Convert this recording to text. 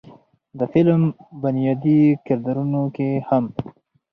د فلم بنيادي کردارونو کښې هم